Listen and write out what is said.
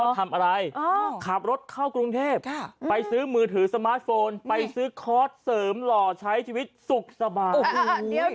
ทำอะไรขับรถเข้ากรุงเทพไปซื้อมือถือสมาร์ทโฟนไปซื้อคอร์สเสริมหล่อใช้ชีวิตสุขสบาย